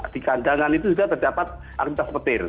di kandangan itu juga terdapat aktivitas petir